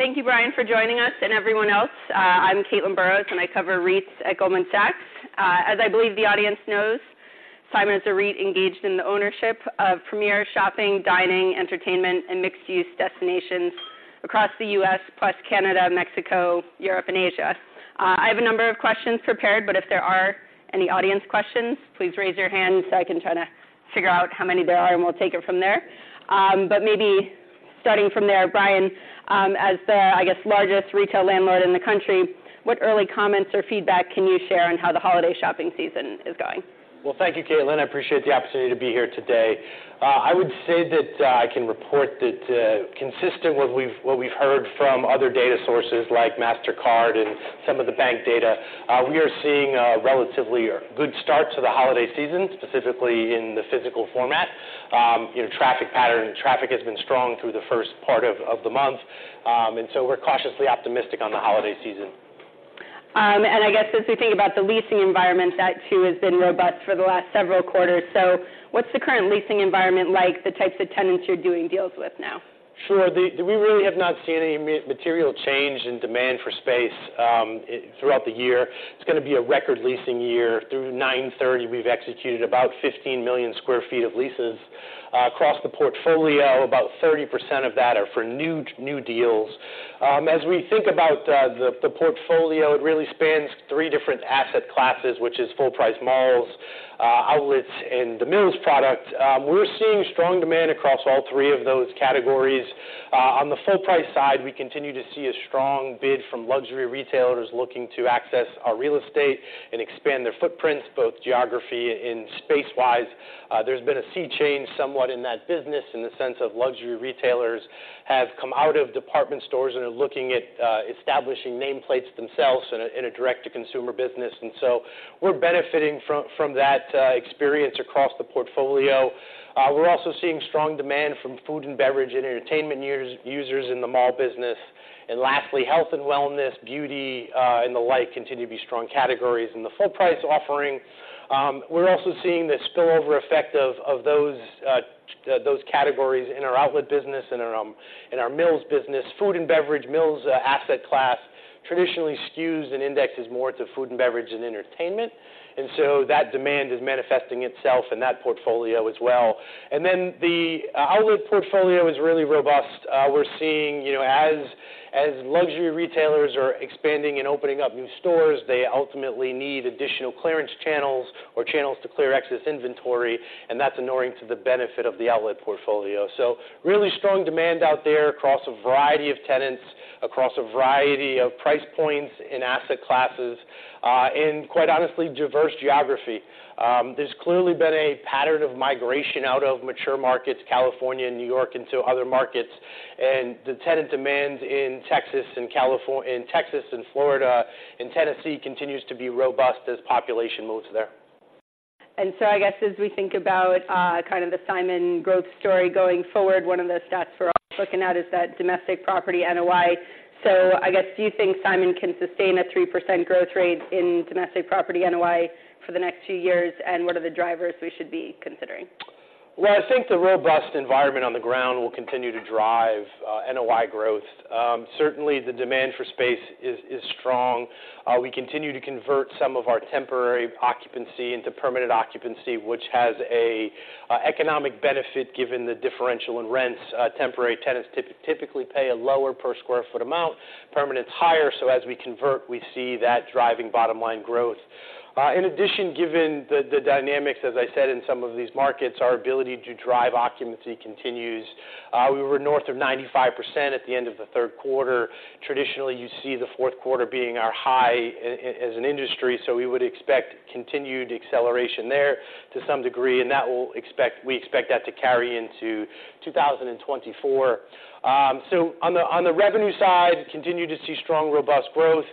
Thank you, Brian, for joining us and everyone else. I'm Caitlin Burrows, and I cover REITs at Goldman Sachs. As I believe the audience knows, Simon is a REIT engaged in the ownership of premier shopping, dining, entertainment, and mixed-use destinations across the U.S., plus Canada, Mexico, Europe, and Asia. I have a number of questions prepared, but if there are any audience questions, please raise your hand so I can try to figure out how many there are, and we'll take it from there. But maybe starting from there, Brian, as the, I guess, largest retail landlord in the country, what early comments or feedback can you share on how the holiday shopping season is going? Well, thank you, Caitlin. I appreciate the opportunity to be here today. I would say that I can report that, consistent with what we've, what we've heard from other data sources like Mastercard and some of the bank data, we are seeing a relatively good start to the holiday season, specifically in the physical format. You know, traffic pattern. Traffic has been strong through the first part of the month. And so we're cautiously optimistic on the holiday season. I guess, as we think about the leasing environment, that too has been robust for the last several quarters. What's the current leasing environment like, the types of tenants you're doing deals with now? Sure. We really have not seen any material change in demand for space throughout the year. It's going to be a record leasing year. Through 9/30, we've executed about 15 million sq ft of leases. Across the portfolio, about 30% of that are for new deals. As we think about the portfolio, it really spans three different asset classes, which is full price malls, outlets, and the Mills product. We're seeing strong demand across all three of those categories. On the full price side, we continue to see a strong bid from luxury retailers looking to access our real estate and expand their footprints, both geography and space-wise. There's been a sea change somewhat in that business in the sense of luxury retailers have come out of department stores and are looking at establishing nameplates themselves in a direct-to-consumer business. And so we're benefiting from that experience across the portfolio. We're also seeing strong demand from food and beverage and entertainment users in the mall business. And lastly, health and wellness, beauty, and the like, continue to be strong categories in the full price offering. We're also seeing the spillover effect of those categories in our outlet business, in our Mills business. Food and beverage Mills asset class traditionally skews and indexes more to food and beverage and entertainment, and so that demand is manifesting itself in that portfolio as well. And then the outlet portfolio is really robust. We're seeing, you know, as luxury retailers are expanding and opening up new stores, they ultimately need additional clearance channels or channels to clear excess inventory, and that's inuring to the benefit of the outlet portfolio. So really strong demand out there across a variety of tenants, across a variety of price points and asset classes, and quite honestly, diverse geography. There's clearly been a pattern of migration out of mature markets, California and New York, into other markets. The tenant demands in Texas and Florida, and Tennessee continues to be robust as population moves there. And so I guess as we think about, kind of the Simon growth story going forward, one of the stats we're all looking at is that domestic property NOI. So I guess, do you think Simon can sustain a 3% growth rate in domestic property NOI for the next two years? And what are the drivers we should be considering? Well, I think the robust environment on the ground will continue to drive NOI growth. Certainly, the demand for space is strong. We continue to convert some of our temporary occupancy into permanent occupancy, which has an economic benefit given the differential in rents. Temporary tenants typically pay a lower per sq ft amount, permanent is higher. So as we convert, we see that driving bottom line growth. In addition, given the dynamics, as I said, in some of these markets, our ability to drive occupancy continues. We were north of 95% at the end of the third quarter. Traditionally, you see the fourth quarter being our high as an industry, so we would expect continued acceleration there to some degree, and that we expect to carry into 2024. So on the revenue side, continue to see strong, robust growth.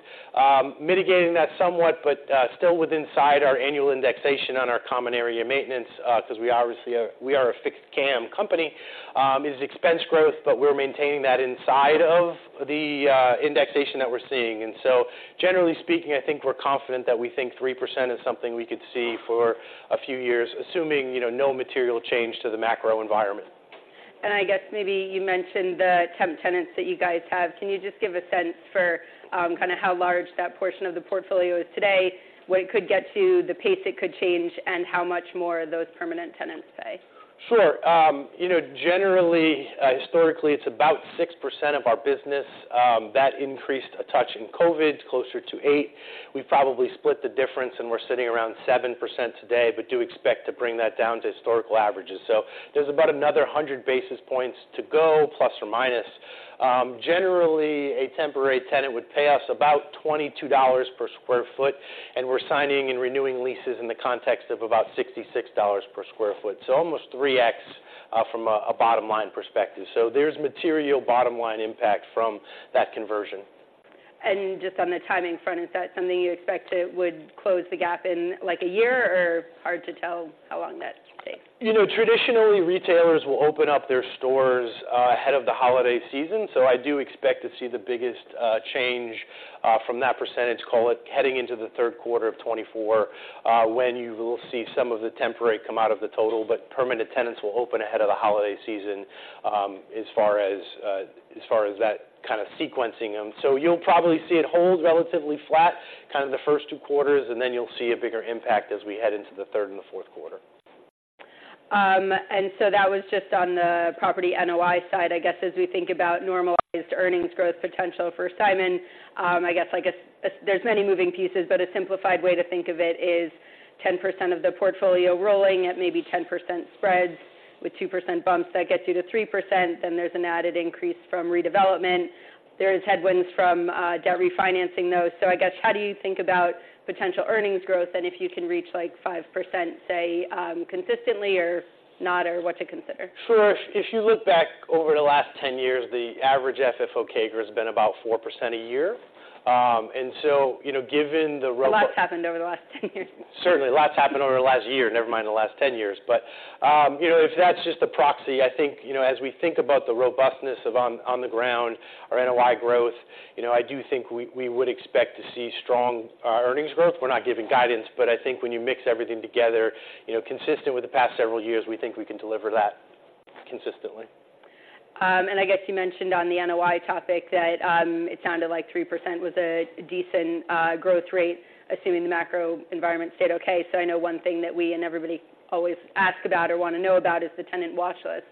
Mitigating that somewhat, but still within inside our annual indexation on our common area maintenance, because we obviously are a fixed CAM company, is expense growth, but we're maintaining that inside of the indexation that we're seeing. And so, generally speaking, I think we're confident that we think 3% is something we could see for a few years, assuming, you know, no material change to the macro environment. I guess maybe you mentioned the temp tenants that you guys have. Can you just give a sense for, kind of how large that portion of the portfolio is today, what it could get to, the pace it could change, and how much more those permanent tenants pay? Sure. You know, generally, historically, it's about 6% of our business. That increased a touch in COVID, closer to 8%. We probably split the difference, and we're sitting around 7% today, but do expect to bring that down to historical averages. So there's about another 100 basis points to go, plus or minus. Generally, a temporary tenant would pay us about $22 per sq ft, and we're signing and renewing leases in the context of about $66 per sq ft. So almost 3x, from a bottom-line perspective. So there's material bottom-line impact from that conversion. Just on the timing front, is that something you expect it would close the gap in, like, a year, or hard to tell how long that could take? You know, traditionally, retailers will open up their stores ahead of the holiday season, so I do expect to see the biggest change from that percentage, call it, heading into the third quarter of 2024, when you will see some of the temporary come out of the total. But permanent tenants will open ahead of the holiday season, as far as that kind of sequencing them. So you'll probably see it hold relatively flat kind of the first two quarters, and then you'll see a bigger impact as we head into the third and the fourth quarter. And so that was just on the property NOI side. I guess, as we think about normalized earnings growth potential for Simon, I guess, like, there's many moving pieces, but a simplified way to think of it is 10% of the portfolio rolling at maybe 10% spreads with 2% bumps, that gets you to 3%, then there's an added increase from redevelopment. There's headwinds from, debt refinancing those. So I guess, how do you think about potential earnings growth, and if you can reach, like, 5%, say, consistently or not, or what to consider? Sure. If you look back over the last 10 years, the average FFO CAGR has been about 4% a year. And so, you know, given the ro..., A lot's happened over the last 10 years. Certainly, a lot's happened over the last year, never mind the last ten years. But, you know, if that's just a proxy, I think, you know, as we think about the robustness of on the ground, our NOI growth, you know, I do think we would expect to see strong earnings growth. We're not giving guidance, but I think when you mix everything together, you know, consistent with the past several years, we think we can deliver that consistently. And I guess you mentioned on the NOI topic that it sounded like 3% was a decent growth rate, assuming the macro environment stayed okay. So I know one thing that we and everybody always ask about or want to know about is the tenant watch list.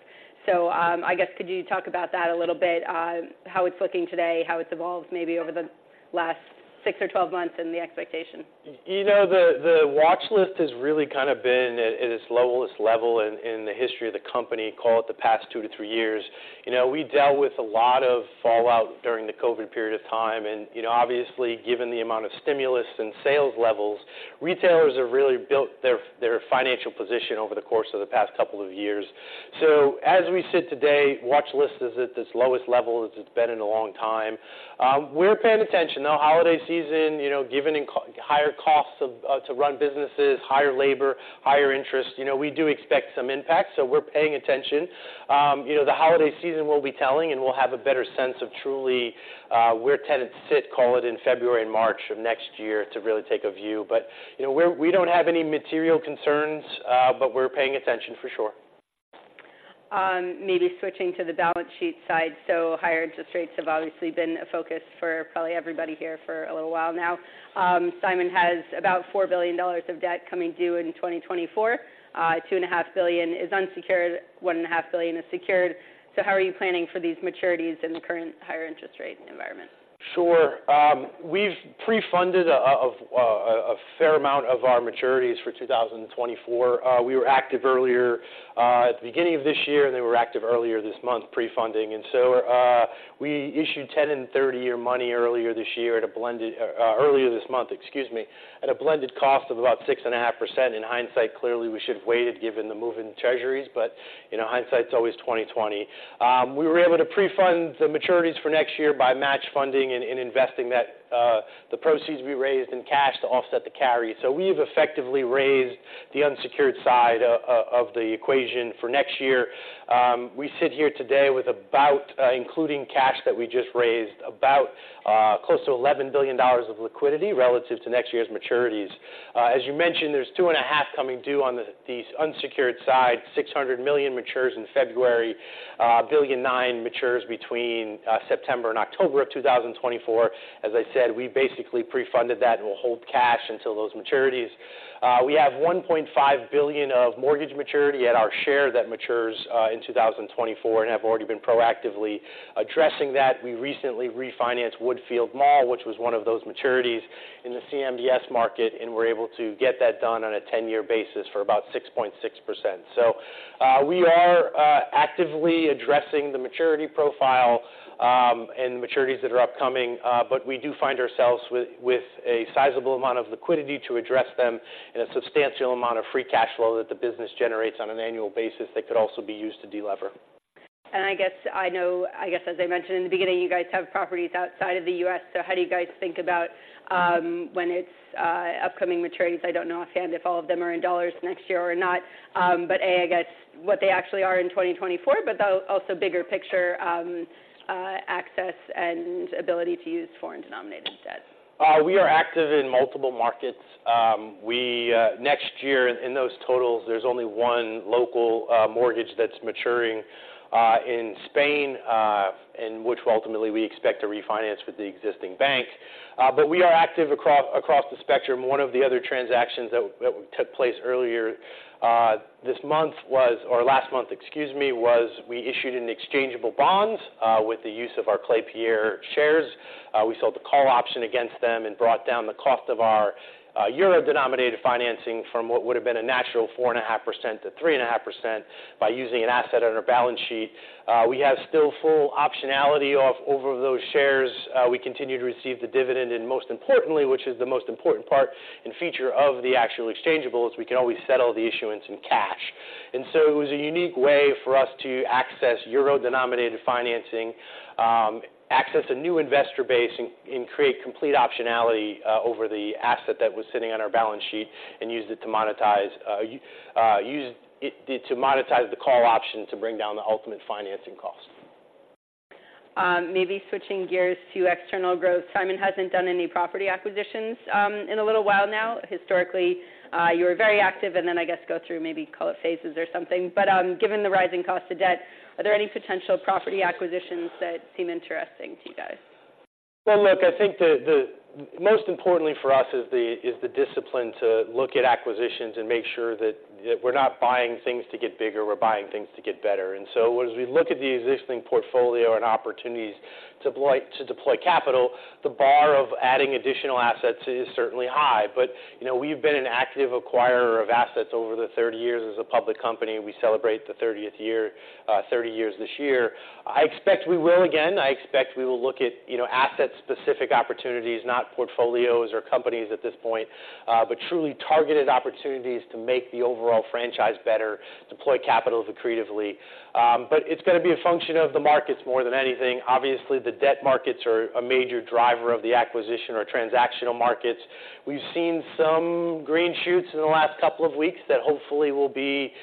I guess, could you talk about that a little bit, how it's looking today, how it's evolved maybe over the last six or 12 months, and the expectation? You know, the watch list has really kind of been at its lowest level in the history of the company, call it the past two to three years. You know, we dealt with a lot of fallout during the COVID period of time, and, you know, obviously, given the amount of stimulus and sales levels, retailers have really built their financial position over the course of the past couple of years. So as we sit today, watch list is at its lowest level as it's been in a long time. We're paying attention. Now, holiday season, you know, given higher costs of to run businesses, higher labor, higher interest, you know, we do expect some impact, so we're paying attention. You know, the holiday season will be telling, and we'll have a better sense of truly where tenants sit, call it in February and March of next year to really take a view. But, you know, we don't have any material concerns, but we're paying attention for sure. Maybe switching to the balance sheet side. So higher interest rates have obviously been a focus for probably everybody here for a little while now. Simon has about $4 billion of debt coming due in 2024. $2.5 billion is unsecured, $1.5 billion is secured. So how are you planning for these maturities in the current higher interest rate environment? Sure. We've pre-funded a fair amount of our maturities for 2024. We were active earlier at the beginning of this year, and then we were active earlier this month, pre-funding. So, we issued 10-year and 30-year money earlier this month, excuse me, at a blended cost of about 6.5%. In hindsight, clearly, we should have waited, given the move in treasuries, but, you know, hindsight's always 20/20. We were able to pre-fund the maturities for next year by match funding and investing that the proceeds we raised in cash to offset the carry. So we've effectively raised the unsecured side of the equation for next year. We sit here today with about, including cash that we just raised, about, close to $11 billion of liquidity relative to next year's maturities. As you mentioned, there's $2.5 billion coming due on the unsecured side. $600 million matures in February. $1.9 billion matures between September and October 2024. As I said, we basically pre-funded that and we'll hold cash until those maturities. We have $1.5 billion of mortgage maturity at our share that matures in 2024, and have already been proactively addressing that. We recently refinanced Woodfield Mall, which was one of those maturities in the CMBS market, and we're able to get that done on a 10-year basis for about 6.6%. So, we are actively addressing the maturity profile, and the maturities that are upcoming, but we do find ourselves with a sizable amount of liquidity to address them and a substantial amount of free cash flow that the business generates on an annual basis that could also be used to delever. I guess, as I mentioned in the beginning, you guys have properties outside of the U.S., so how do you guys think about upcoming maturities? I don't know offhand if all of them are in U.S. dollars next year or not. But, A, I guess, what they actually are in 2024, but also the bigger picture, access and ability to use foreign-denominated debt. We are active in multiple markets. Next year, in those totals, there's only one local mortgage that's maturing in Spain, and which ultimately we expect to refinance with the existing bank. But we are active across the spectrum. One of the other transactions that took place earlier this month was, or last month, excuse me, we issued an exchangeable bond with the use of our Klépierre shares. We sold the call option against them and brought down the cost of our euro-denominated financing from what would've been a natural 4.5%-3.5% by using an asset on our balance sheet. We have still full optionality over those shares. We continue to receive the dividend, and most importantly, which is the most important part and feature of the actual exchangeable, is we can always settle the issuance in cash. And so it was a unique way for us to access euro-denominated financing, access a new investor base, and create complete optionality over the asset that was sitting on our balance sheet, and use it to monetize the call option to bring down the ultimate financing cost. Maybe switching gears to external growth. Simon hasn't done any property acquisitions in a little while now. Historically, you were very active, and then, I guess, go through, maybe call it phases or something. But, given the rising cost of debt, are there any potential property acquisitions that seem interesting to you guys? Well, look, I think the most importantly for us is the discipline to look at acquisitions and make sure that we're not buying things to get bigger, we're buying things to get better. And so as we look at the existing portfolio and opportunities to deploy capital, the bar of adding additional assets is certainly high. But, you know, we've been an active acquirer of assets over the 30 years as a public company. We celebrate the 30th year, 30 years this year. I expect we will, again, look at, you know, asset-specific opportunities, not portfolios or companies at this point, but truly targeted opportunities to make the overall franchise better, deploy capital accretively. But it's gonna be a function of the markets more than anything. Obviously, the debt markets are a major driver of the acquisition or transactional markets. We've seen some green shoots in the last couple of weeks that hopefully will be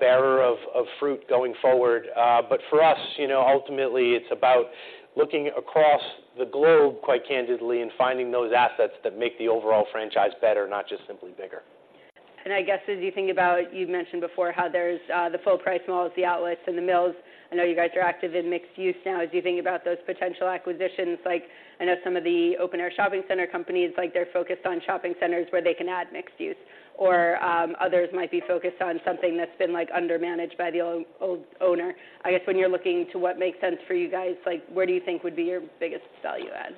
bearer of fruit going forward. But for us, you know, ultimately, it's about looking across the globe, quite candidly, and finding those assets that make the overall franchise better, not just simply bigger. And I guess, as you think about, you've mentioned before how there's the full-price malls, the outlets, and the Mills. I know you guys are active in mixed-use now. As you think about those potential acquisitions, like, I know some of the open-air shopping center companies, like, they're focused on shopping centers where they can add mixed-use, or others might be focused on something that's been, like, undermanaged by the old, old owner. I guess, when you're looking to what makes sense for you guys, like, where do you think would be your biggest value add?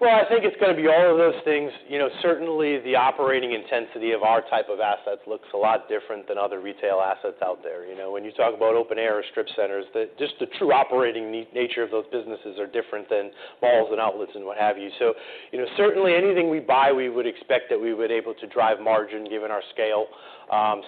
Well, I think it's gonna be all of those things. You know, certainly, the operating intensity of our type of assets looks a lot different than other retail assets out there. You know, when you talk about open-air or strip centers, just the true operating nature of those businesses are different than malls and outlets and what have you. So, you know, certainly anything we buy, we would expect that we would able to drive margin given our scale.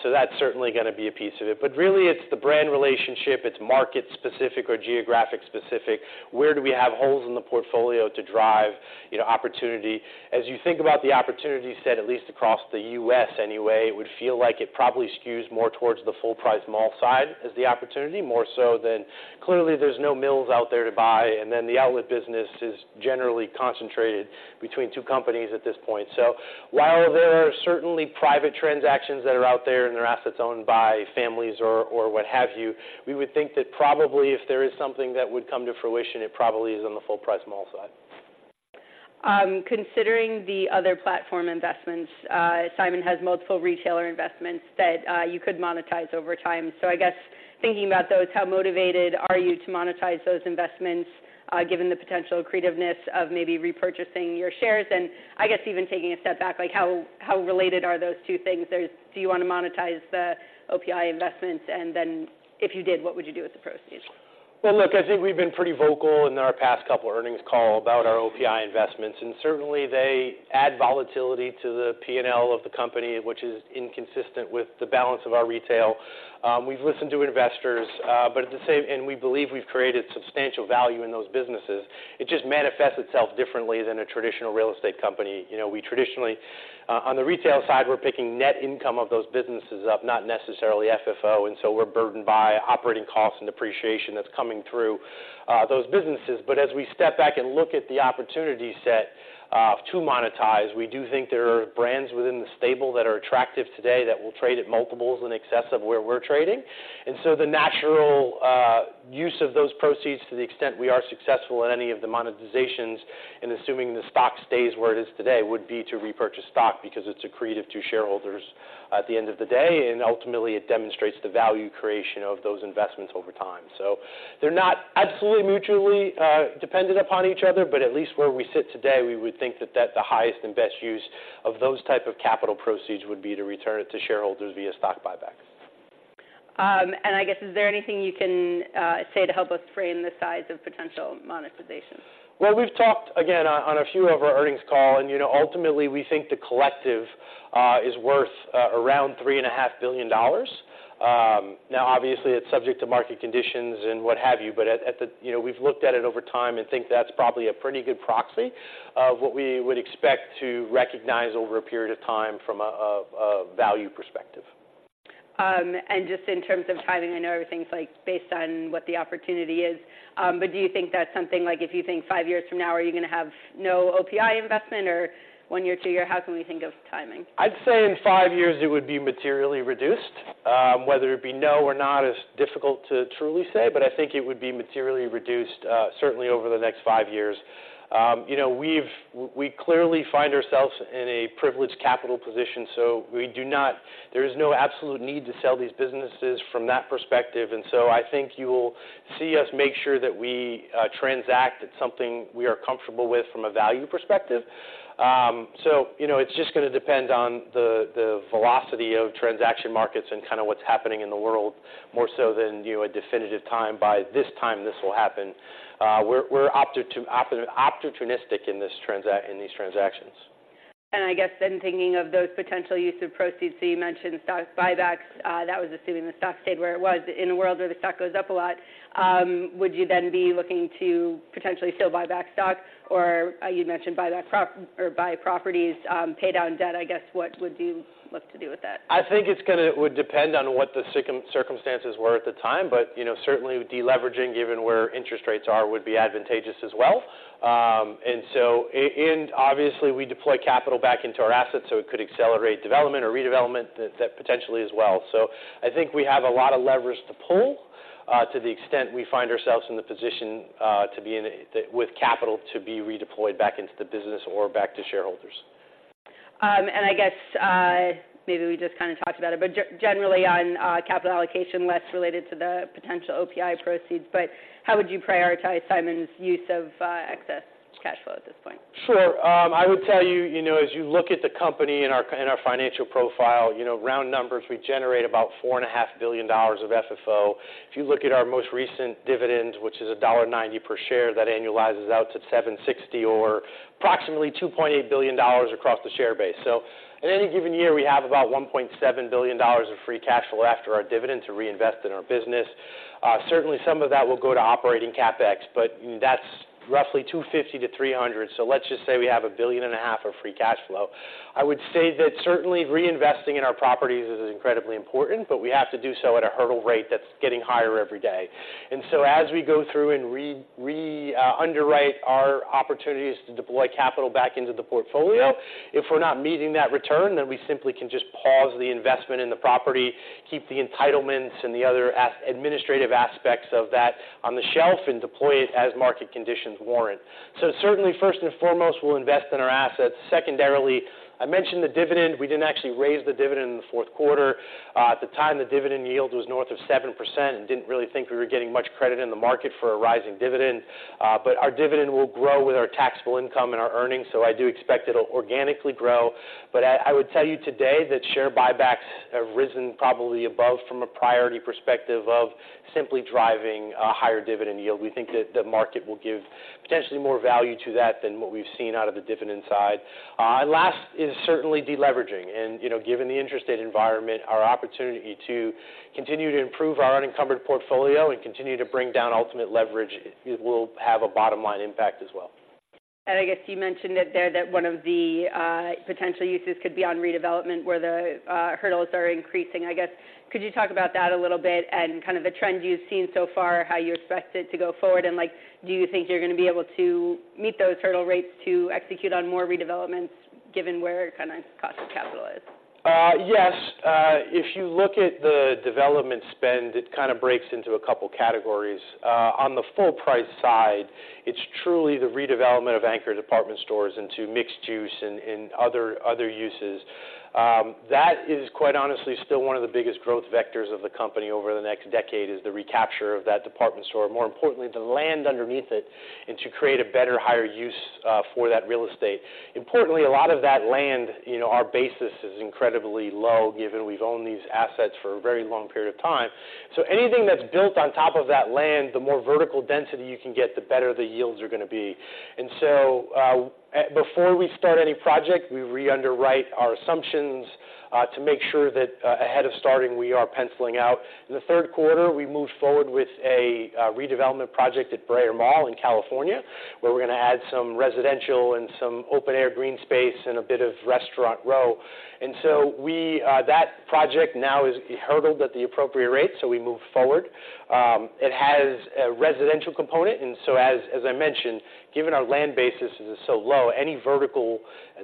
So that's certainly gonna be a piece of it. But really, it's the brand relationship, it's market specific or geographic specific. Where do we have holes in the portfolio to drive, you know, opportunity? As you think about the opportunity set, at least across the U.S. anyway, it would feel like it probably skews more towards the full-price mall side as the opportunity, more so than, clearly, there's no Mills out there to buy, and then the outlet business is generally concentrated between two companies at this point. So while there are certainly private transactions that are out there, and they're assets owned by families or, or what have you, we would think that probably, if there is something that would come to fruition, it probably is on the full-price mall side. Considering the other platform investments, Simon has multiple retailer investments that you could monetize over time. So I guess, thinking about those, how motivated are you to monetize those investments, given the potential accretiveness of maybe repurchasing your shares? And I guess even taking a step back, like, how, how related are those two things? Do you want to monetize the OPI investments, and then if you did, what would you do with the proceeds? Well, look, I think we've been pretty vocal in our past couple earnings calls about our OPI investments, and certainly, they add volatility to the P&L of the company, which is inconsistent with the balance of our retail. We've listened to investors, but at the same time and we believe we've created substantial value in those businesses. It just manifests itself differently than a traditional real estate company. You know, we traditionally, on the retail side, we're picking net income of those businesses up, not necessarily FFO, and so we're burdened by operating costs and depreciation that's coming through those businesses. But as we step back and look at the opportunity set, to monetize, we do think there are brands within the stable that are attractive today that will trade at multiples in excess of where we're trading. So the natural use of those proceeds, to the extent we are successful in any of the monetizations, and assuming the stock stays where it is today, would be to repurchase stock because it's accretive to shareholders at the end of the day, and ultimately, it demonstrates the value creation of those investments over time. So they're not absolutely mutually dependent upon each other, but at least where we sit today, we would think that that's the highest and best use of those type of capital proceeds would be to return it to shareholders via stock buybacks. I guess, is there anything you can say to help us frame the size of potential monetization? Well, we've talked again on a few of our earnings call, and, you know, ultimately, we think the collective is worth around $3.5 billion. Now, obviously, it's subject to market conditions and what have you, but at the, you know, we've looked at it over time and think that's probably a pretty good proxy of what we would expect to recognize over a period of time from a value perspective. And just in terms of timing, I know everything's, like, based on what the opportunity is, but do you think that's something like, if you think five years from now, are you gonna have no OPI investment, or one year, two year? How can we think of timing? I'd say in five years, it would be materially reduced. Whether it'd be no or not is difficult to truly say, but I think it would be materially reduced, certainly over the next five years. You know, we clearly find ourselves in a privileged capital position, so we do not. There is no absolute need to sell these businesses from that perspective, and so I think you'll see us make sure that we transact at something we are comfortable with from a value perspective. So, you know, it's just gonna depend on the velocity of transaction markets and kind of what's happening in the world, more so than, you know, a definitive time, by this time, this will happen. We're opportunistic in these transactions. I guess then, thinking of those potential use of proceeds, so you mentioned stock buybacks. That was assuming the stock stayed where it was. In a world where the stock goes up a lot, would you then be looking to potentially still buy back stock, or you mentioned buy properties, pay down debt? I guess, what would you look to do with that? I think it would depend on what the circumstances were at the time, but, you know, certainly deleveraging, given where interest rates are, would be advantageous as well. And so, obviously, we deploy capital back into our assets, so it could accelerate development or redevelopment, that potentially as well. So I think we have a lot of levers to pull to the extent we find ourselves in the position to be in with capital, to be redeployed back into the business or back to shareholders. I guess, maybe we just kind of talked about it, but generally, on capital allocation, less related to the potential OPI proceeds, but how would you prioritize Simon's use of excess cash flow at this point? Sure. I would tell you, you know, as you look at the company and our financial profile, you know, round numbers, we generate about $4.5 billion of FFO. If you look at our most recent dividend, which is $1.90 per share, that annualizes out to $7.60 or approximately $2.8 billion across the share base. So in any given year, we have about $1.7 billion of free cash flow after our dividends to reinvest in our business. Certainly, some of that will go to operating CapEx, but that's roughly $250-$300. So let's just say we have $1.5 billion of free cash flow. I would say that certainly reinvesting in our properties is incredibly important, but we have to do so at a hurdle rate that's getting higher every day. And so as we go through and re-underwrite our opportunities to deploy capital back into the portfolio, if we're not meeting that return, then we simply can just pause the investment in the property, keep the entitlements and the other administrative aspects of that on the shelf and deploy it as market conditions warrant. So certainly, first and foremost, we'll invest in our assets. Secondarily, I mentioned the dividend. We didn't actually raise the dividend in the fourth quarter. At the time, the dividend yield was north of 7%, and didn't really think we were getting much credit in the market for a rising dividend. But our dividend will grow with our taxable income and our earnings, so I do expect it'll organically grow. But I would tell you today that share buybacks have risen probably above from a priority perspective of simply driving a higher dividend yield. We think that the market will give potentially more value to that than what we've seen out of the dividend side. Last is certainly deleveraging. And, you know, given the interest rate environment, our opportunity to continue to improve our unencumbered portfolio and continue to bring down ultimate leverage, it will have a bottom-line impact as well. I guess you mentioned it there, that one of the potential uses could be on redevelopment, where the hurdles are increasing. I guess, could you talk about that a little bit and kind of the trend you've seen so far, how you expect it to go forward? Like, do you think you're going to be able to meet those hurdle rates to execute on more redevelopments, given where kind of cost of capital is? Yes. If you look at the development spend, it kind of breaks into a couple categories. On the full price side, it's truly the redevelopment of anchor department stores into mixed use and other uses. That is, quite honestly, still one of the biggest growth vectors of the company over the next decade, is the recapture of that department store, more importantly, the land underneath it, and to create a better, higher use for that real estate. Importantly, a lot of that land, you know, our basis is incredibly low, given we've owned these assets for a very long period of time. So anything that's built on top of that land, the more vertical density you can get, the better the yields are going to be. And so, before we start any project, we re-underwrite our assumptions to make sure that ahead of starting, we are penciling out. In the third quarter, we moved forward with a redevelopment project at Brea Mall in California, where we're going to add some residential and some open-air green space and a bit of restaurant row. And so that project now is hurdled at the appropriate rate, so we move forward. It has a residential component, and so as I mentioned, given our land basis is so low,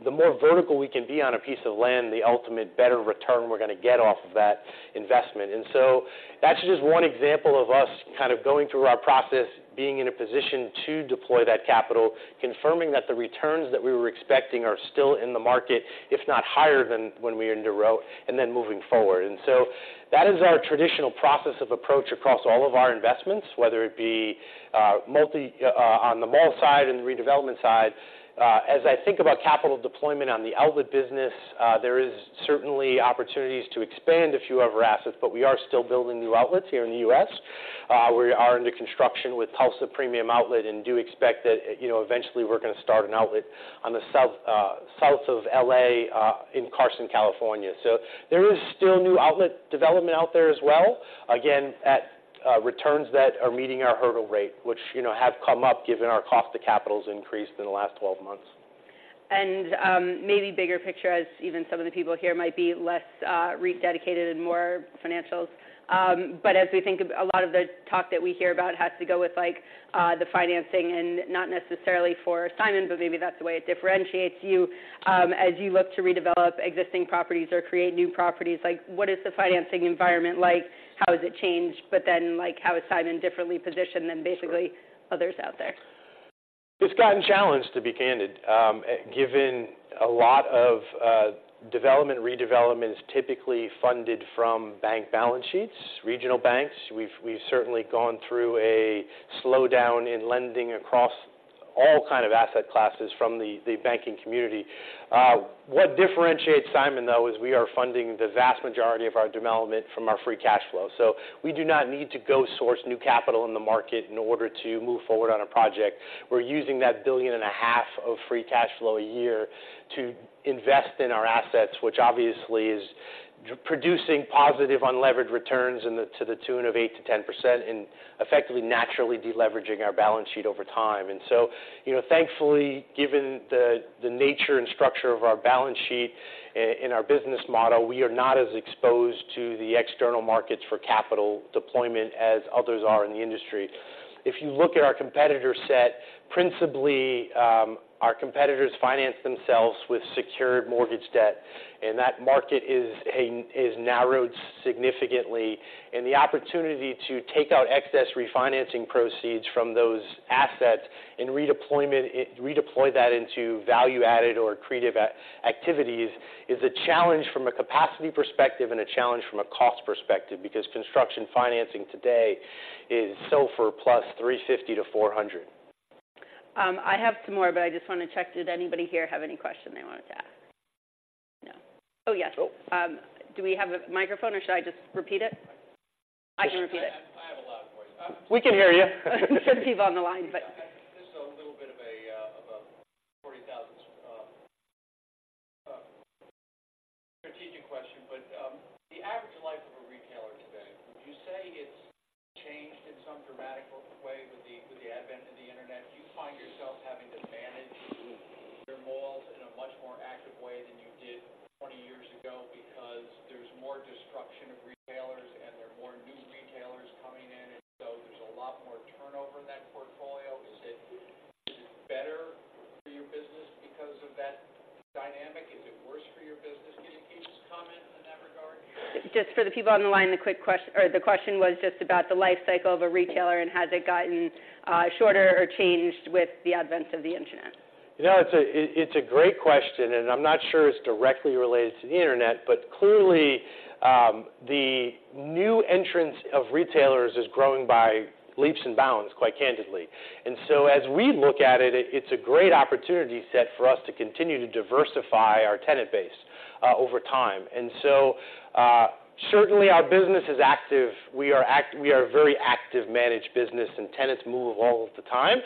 the more vertical we can be on a piece of land, the ultimate better return we're going to get off of that investment. And so that's just one example of us kind of going through our process, being in a position to deploy that capital, confirming that the returns that we were expecting are still in the market, if not higher than when we underwrote, and then moving forward. And so that is our traditional process of approach across all of our investments, whether it be, multi- on the mall side and the redevelopment side. As I think about capital deployment on the outlet business, there is certainly opportunities to expand a few of our assets, but we are still building new outlets here in the U.S. We are under construction with Tulsa Premium Outlets and do expect that, you know, eventually we're going to start an outlet on the south, south of L.A., in Carson, California. So there is still new outlet development out there as well, again, at returns that are meeting our hurdle rate, which, you know, have come up given our cost of capital has increased in the last 12 months. Maybe bigger picture, as even some of the people here might be less REIT-dedicated and more financials. But as we think of a lot of the talk that we hear about has to go with, like, the financing and not necessarily for Simon, but maybe that's the way it differentiates you. As you look to redevelop existing properties or create new properties, like, what is the financing environment like? How has it changed, but then, like, how is Simon differently positioned than basically others out there? It's gotten challenged, to be candid. Given a lot of development, redevelopment is typically funded from bank balance sheets, regional banks. We've certainly gone through a slowdown in lending across all kind of asset classes from the banking community. What differentiates Simon, though, is we are funding the vast majority of our development from our free cash flow. So we do not need to go source new capital in the market in order to move forward on a project. We're using that $1.5 billion of free cash flow a year to invest in our assets, which obviously is producing positive unlevered returns to the tune of 8%-10% and effectively, naturally deleveraging our balance sheet over time. You know, thankfully, given the nature and structure of our balance sheet in our business model, we are not as exposed to the external markets for capital deployment as others are in the industry. If you look at our competitor set, principally, our competitors finance themselves with secured mortgage debt, and that market has narrowed significantly, and the opportunity to take out excess refinancing proceeds from those assets and redeploy that into value-added or accretive activities is a challenge from a capacity perspective and a challenge from a cost perspective, because construction financing today is SOFR plus 350-400. I have some more, but I just want to check. Did anybody here have any question they wanted to ask? No. Oh, yes. Do we have a microphone, or should I just repeat it? I can repeat it. I have a loud voice. We can hear you. For the people on the line, but. certainly our business is active. We are a very active managed business, and tenants move all of the time.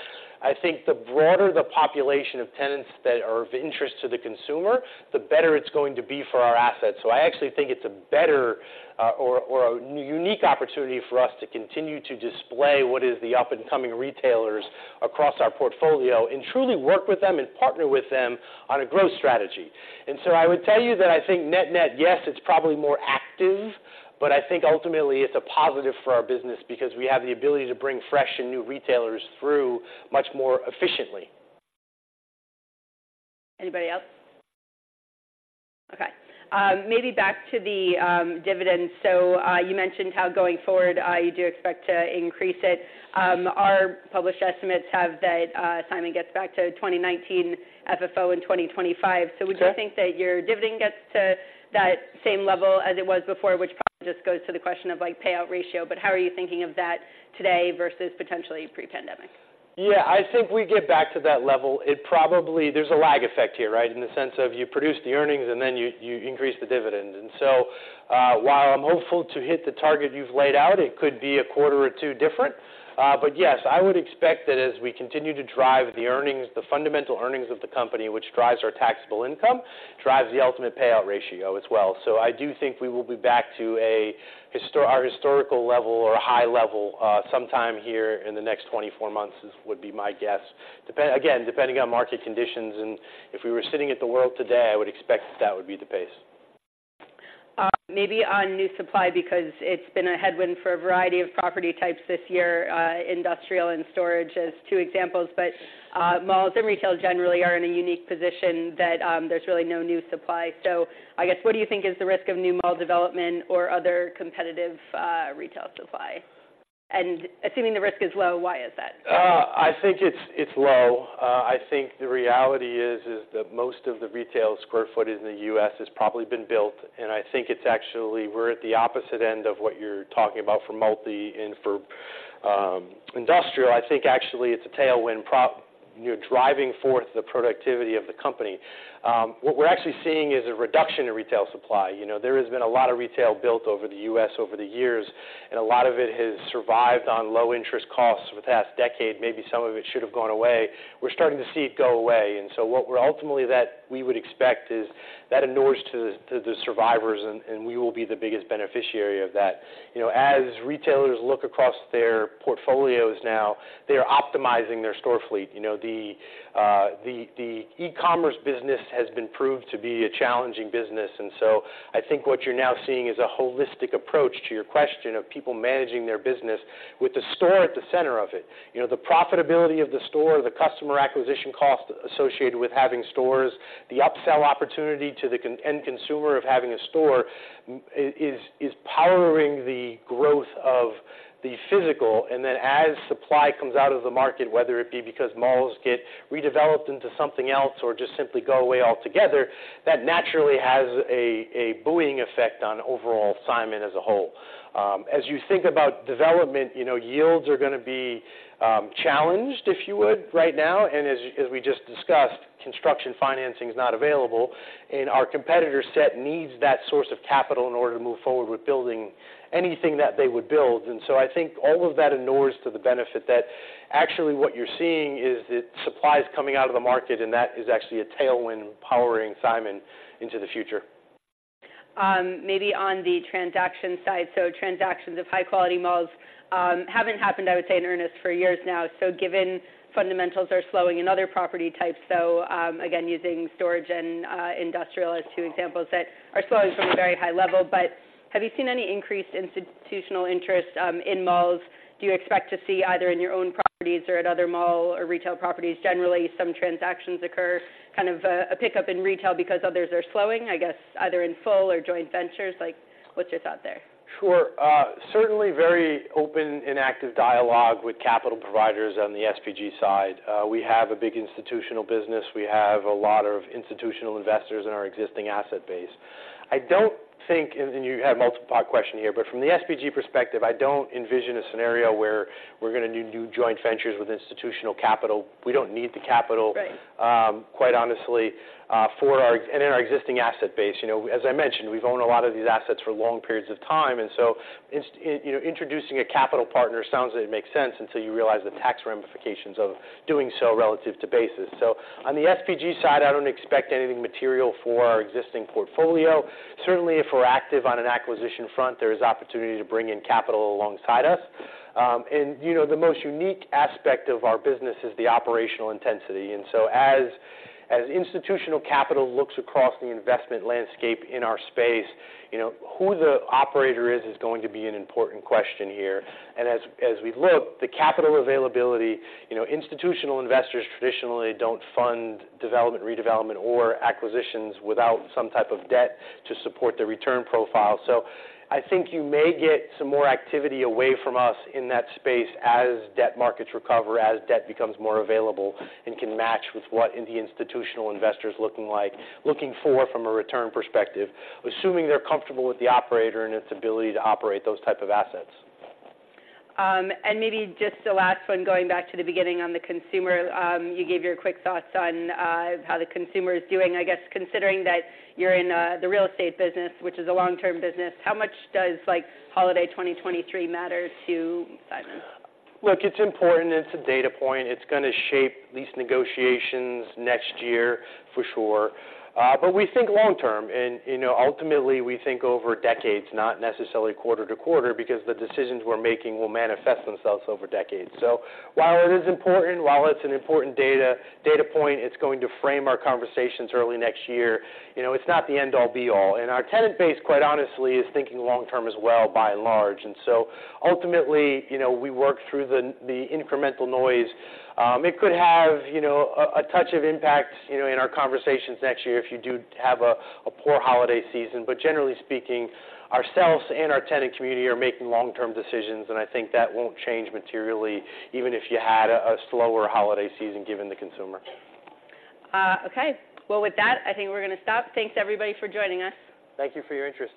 I think the broader the population of tenants that are of interest to the consumer, the better it's going to be for our assets. So I actually think it's a better or a unique opportunity for us to continue to display what is the up-and-coming retailers across our portfolio and truly work with them and partner with them on a growth strategy. And so I would tell you that I think net-net, yes, it's probably more active, but I think ultimately it's a positive for our business because we have the ability to bring fresh and new retailers through much more efficiently. Anybody else? Okay, maybe back to the dividend. So, you mentioned how going forward, you do expect to increase it. Our published estimates have that Simon gets back to 2019 FFO in 2025. Sure. So would you think that your dividend gets to that same level as it was before, which probably just goes to the question of, like, payout ratio, but how are you thinking of that today versus potentially pre-pandemic? Yeah, I think we get back to that level. It probably, there's a lag effect here, right? In the sense of you produce the earnings, and then you increase the dividend. And so, while I'm hopeful to hit the target you've laid out, it could be a quarter or two different. But yes, I would expect that as we continue to drive the earnings, the fundamental earnings of the company, which drives our taxable income, drives the ultimate payout ratio as well. So I do think we will be back to our historical level or a high level, sometime here in the next 24 months, would be my guess. Depending again, depending on market conditions, and if we were sitting at the world today, I would expect that would be the pace. Maybe on new supply, because it's been a headwind for a variety of property types this year, industrial and storage as two examples. But, malls and retail generally are in a unique position that, there's really no new supply. So I guess, what do you think is the risk of new mall development or other competitive, retail supply? And assuming the risk is low, why is that? I think it's low. I think the reality is that most of the retail square footage in the U.S. has probably been built, and I think it's actually we're at the opposite end of what you're talking about for multi and for industrial. I think actually it's a tailwind proper, you're driving forth the productivity of the company. What we're actually seeing is a reduction in retail supply. You know, there has been a lot of retail built over the U.S. over the years, and a lot of it has survived on low interest costs over the past decade. Maybe some of it should have gone away. We're starting to see it go away, and so what we're ultimately that we would expect is that inures to the survivors, and we will be the biggest beneficiary of that. You know, as retailers look across their portfolios now, they are optimizing their store fleet. You know, the e-commerce business has been proved to be a challenging business, and so I think what you're now seeing is a holistic approach to your question of people managing their business with the store at the center of it. You know, the profitability of the store, the customer acquisition cost associated with having stores, the upsell opportunity to the end consumer of having a store, is powering the growth of the physical. And then as supply comes out of the market, whether it be because malls get redeveloped into something else or just simply go away altogether, that naturally has a buoying effect on overall Simon as a whole. As you think about development, you know, yields are going to be challenged, if you would, right now, and as we just discussed, construction financing is not available, and our competitor set needs that source of capital in order to move forward with building anything that they would build. And so I think all of that inures to the benefit that actually what you're seeing is that supply is coming out of the market, and that is actually a tailwind powering Simon into the future. Maybe on the transaction side. Transactions of high-quality malls haven't happened, I would say, in earnest for years now. Given fundamentals are slowing in other property types, again, using storage and industrial as two examples that are slowing from a very high level. But have you seen any increased institutional interest in malls? Do you expect to see, either in your own properties or at other mall or retail properties, generally, some transactions occur, kind of a pickup in retail because others are slowing, I guess, either in full or joint ventures? Like, what's your thought there? Sure. Certainly very open and active dialogue with capital providers on the SPG side. We have a big institutional business. We have a lot of institutional investors in our existing asset base. I don't think, and, and you had a multipart question here, but from the SPG perspective, I don't envision a scenario where we're gonna do new joint ventures with institutional capital. We don't need the capital. Right Quite honestly, for our, and in our existing asset base. You know, as I mentioned, we've owned a lot of these assets for long periods of time, and so introducing a capital partner sounds like it makes sense until you realize the tax ramifications of doing so relative to basis. So on the SPG side, I don't expect anything material for our existing portfolio. Certainly, if we're active on an acquisition front, there is opportunity to bring in capital alongside us. And, you know, the most unique aspect of our business is the operational intensity. And so as institutional capital looks across the investment landscape in our space, you know, who the operator is, is going to be an important question here. As we've looked, the capital availability, you know, institutional investors traditionally don't fund development, redevelopment, or acquisitions without some type of debt to support the return profile. So I think you may get some more activity away from us in that space as debt markets recover, as debt becomes more available, and can match with what in the institutional investor's looking for from a return perspective, assuming they're comfortable with the operator and its ability to operate those type of assets. And maybe just the last one, going back to the beginning on the consumer. You gave your quick thoughts on how the consumer is doing. I guess, considering that you're in the real estate business, which is a long-term business, how much does, like, holiday 2023 matter to Simon? Look, it's important. It's a data point. It's gonna shape lease negotiations next year, for sure. But we think long term. And, you know, ultimately, we think over decades, not necessarily quarter to quarter, because the decisions we're making will manifest themselves over decades. So while it is important, while it's an important data point, it's going to frame our conversations early next year. You know, it's not the end-all be-all. And our tenant base, quite honestly, is thinking long term as well, by and large. And so ultimately, you know, we work through the incremental noise. It could have, you know, a touch of impact, you know, in our conversations next year if you do have a poor holiday season. But generally speaking, ourselves and our tenant community are making long-term decisions, and I think that won't change materially, even if you had a slower holiday season, given the consumer. Okay. Well, with that, I think we're gonna stop. Thanks, everybody, for joining us. Thank you for your interest.